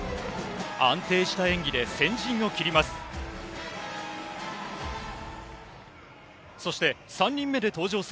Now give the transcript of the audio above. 安定した演技で先陣を切ります。